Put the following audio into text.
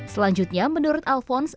selanjutnya menurut alfons